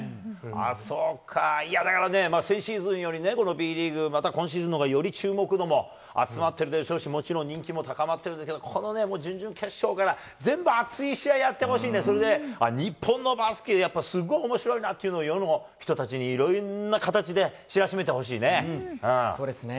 そうか、いや、だからね、先シーズンよりこのＢリーグ、また今シーズンのほうがより注目度も集まっているでしょうし、もちろん人気も高まってるでしょうから、この準々決勝から、全部熱い試合やってほしいね、それで日本のバスケ、すごいやっぱすごいおもしろいなというのも世の人たちにいろんなそうですね。